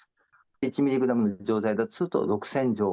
１ミリグラムの錠剤だとすると６０００錠。